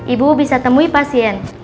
ibu bisa temui pasien